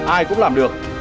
ai cũng làm được